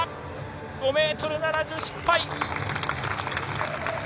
５ｍ７０、失敗。